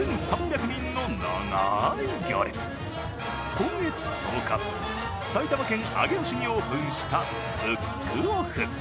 今月１０日、埼玉県上尾市にオープンしたブックオフ。